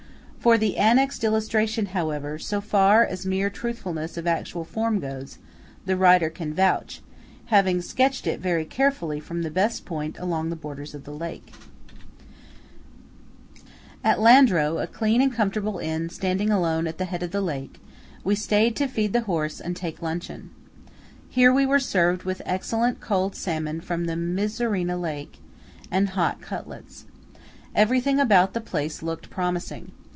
For the annexed illustration, however, so far as mere truthfulness of actual form goes, the writer can vouch, having sketched it very carefully from the best point along the borders of the lake. THE DREI ZINNEN. At Landro, a clean and comfortable inn standing alone at the head of the lake, we stayed to feed the horse and take luncheon. Here we were served with excellent cold salmon from the Misurina lake, and hot cutlets. Everything about the place looked promising.